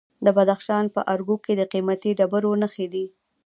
د بدخشان په ارګو کې د قیمتي ډبرو نښې دي.